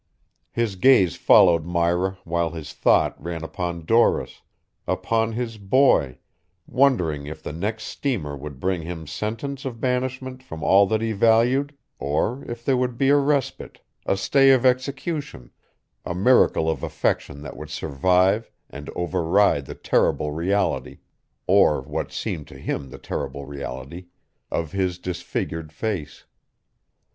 His gaze followed Myra while his thought ran upon Doris, upon his boy, wondering if the next steamer would bring him sentence of banishment from all that he valued, or if there would be a respite, a stay of execution, a miracle of affection that would survive and override the terrible reality or what seemed to him the terrible reality of his disfigured face.